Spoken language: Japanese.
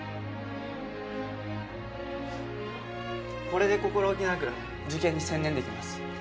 これで心置きなく受験に専念できます。